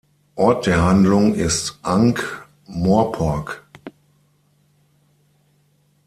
Ort der Handlung ist Ankh-Morpork.